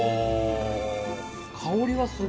香りがすっごい。